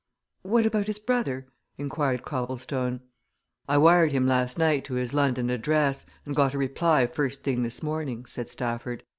"What about his brother?" inquired Copplestone. "I wired him last night to his London address, and got a reply first thing this morning," said Stafford.